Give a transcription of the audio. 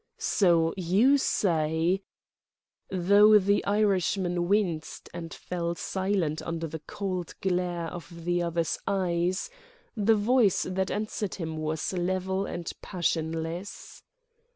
"So you say ..." Though the Irishman winced and fell silent under the cold glare of the other's eyes, the voice that answered him was level and passionless.